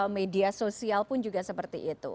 media sosial pun juga seperti itu